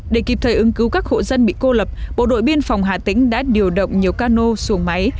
để kịp thời ứng cứu các hộ dân bị cô lập bộ đội biên phòng hà tĩnh đã điều động nhiều cano xuồng máy